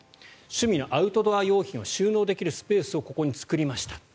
趣味のアウトドア用品を収納できるスペースをここに作りました。